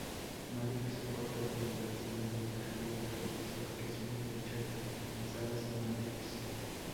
Matrix soporta el enlace de mensajes de diferentes aplicaciones de chat en salas Matrix.